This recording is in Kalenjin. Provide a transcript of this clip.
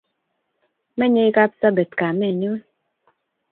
Menyei Kapsabet kamennyu